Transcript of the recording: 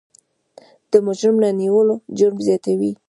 د مجرم نه نیول جرم زیاتوي.